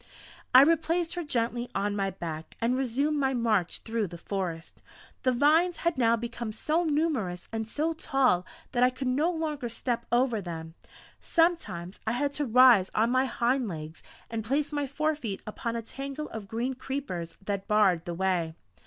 I replaced her gently on my back and resumed my march through the forest. The vines had now become so numerous and so tall that I could no longer step over them; sometimes I had to rise on my hind legs and place my forefeet upon a tangle of green creepers that barred the way.